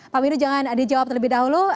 pak windu jangan dijawab terlebih dahulu